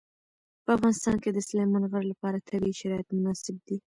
په افغانستان کې د سلیمان غر لپاره طبیعي شرایط مناسب دي.